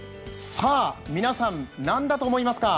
皆さん、何だと思いますか？